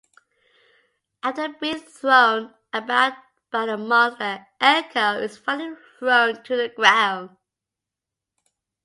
After being thrown about by the Monster, Eko is finally thrown to the ground.